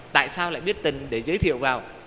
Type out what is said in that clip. tại sao lại biết tình để giới thiệu vào